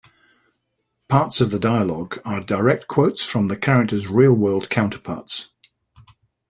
Parts of the dialogue are direct quotes from the characters' real-world counterparts.